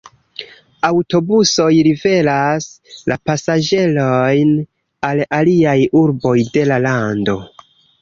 Aŭtobusoj liveras la pasaĝerojn al aliaj urboj de la lando.